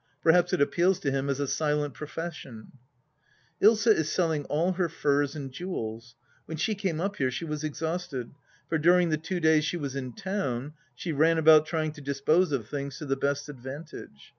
Perhaps it appeals to him as a silent profession ? Ilsa is selling all her furs and jewels. When she came up here she was exhausted, for during the two days she was in town she ran about trying to dispose of things to the best advantage.